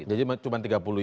jadi cuma tiga puluh itu aja